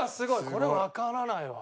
これわからないわ。